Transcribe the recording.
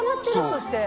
そして。